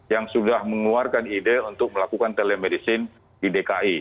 yang sudah mengeluarkan ide untuk melakukan telemedicine di dki